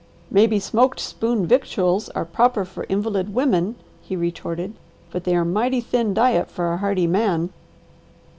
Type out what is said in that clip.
"Maybe smoked spoon victuals are proper for invalid women," he retorted, "but they are mighty thin diet for a hardy man."